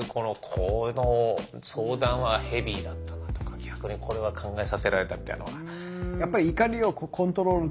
この相談はヘビーだったなとか逆にこれは考えさせられたみたいのは。